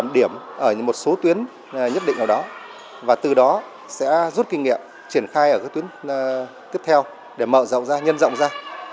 điểm ở một số tuyến nhất định nào đó và từ đó sẽ rút kinh nghiệm triển khai ở các tuyến tiếp theo để mở rộng ra nhân rộng ra